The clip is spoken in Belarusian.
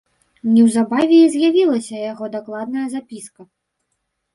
Неўзабаве і з'явілася яго дакладная запіска.